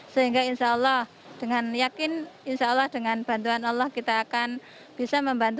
sehingga insya allah dengan yakin insya allah dengan bantuan allah kita akan bisa membantu